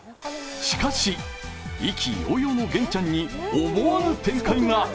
しかし、意気揚々の元ちゃんに思わぬ展開が。